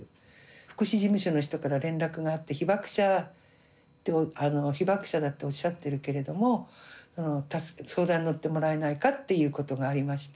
福祉事務所の人から連絡があって被爆者だっておっしゃってるけれども相談に乗ってもらえないかっていうことがありまして。